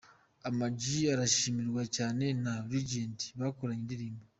Ama G arashimirwa cyane na Legends bakoranye indirimbo.